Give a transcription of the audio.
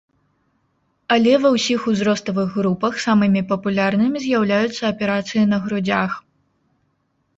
Але ва ўсіх узроставых групах самымі папулярнымі з'яўляюцца аперацыі на грудзях.